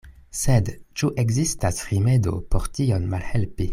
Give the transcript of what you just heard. Sed ĉu ekzistas rimedo por tion malhelpi?